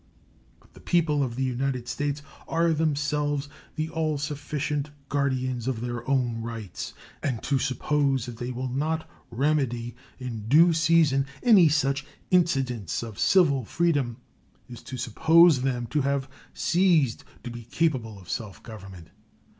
But the people of the United States are themselves the all sufficient guardians of their own rights, and to suppose that they will not remedy in due season any such incidents of civil freedom is to suppose them to have ceased to be capable of self government.